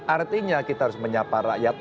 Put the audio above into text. artinya kita harus menyapa rakyat